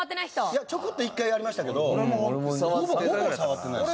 いやちょこっと１回やりましたけどほぼ触ってないです。